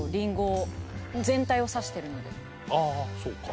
ああそうか